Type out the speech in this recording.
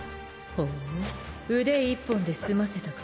ほう腕一本で済ませたか。